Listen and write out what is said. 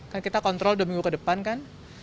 kan kita kontrol dua minggu ke depan kan